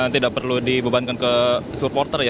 yang tidak perlu dibebankan ke supporter ya